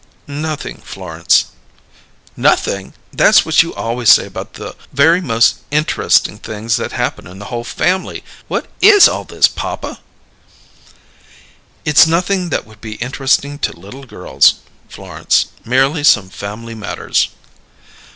"Nothing, Florence." "Nothing! That's what you always say about the very most inter'sting things that happen in the whole family! What is all this, papa?" "It's nothing that would be interesting to little girls, Florence. Merely some family matters."